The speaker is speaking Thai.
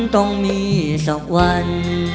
ต้องมีสักวัน